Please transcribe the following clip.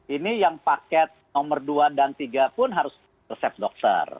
ini yang paket nomor dua dan tiga pun harus resep dokter